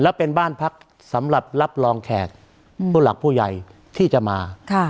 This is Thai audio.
แล้วเป็นบ้านพักสำหรับรับรองแขกผู้หลักผู้ใหญ่ที่จะมา